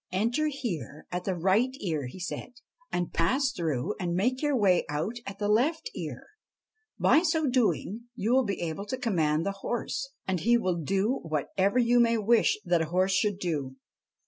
' Enter here at the right ear,' he said, ' and pass through, and make your way out at the left ear. By so doing you will be able to command the horse, and he will do whatever you may wish that a horse should do.'